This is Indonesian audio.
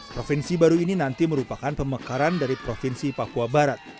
provinsi baru ini nanti merupakan pemekaran dari provinsi papua barat